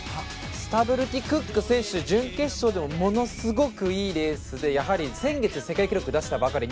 スタブルティ・クック選手は準決勝でもものすごくいいレースで先月世界記録を出したばかり。